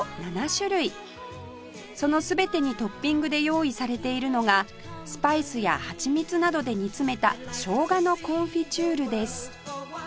その全てにトッピングで用意されているのがスパイスや蜂蜜などで煮詰めたしょうがのコンフィチュールです